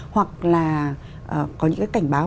hoặc là có những cái cảnh báo